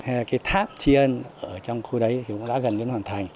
thế là cái tháp chiên ở trong khu đấy cũng đã gần đến hoàn thành